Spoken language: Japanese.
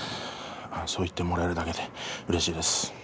そう言ってもらえるだけでうれしいです。